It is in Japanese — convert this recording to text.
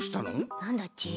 なんだち？